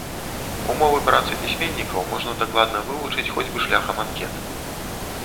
Умовы працы пісьменнікаў можна дакладна вывучыць хоць бы шляхам анкет.